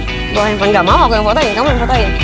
mau handphone gak mau aku yang foto ya kamu yang foto ya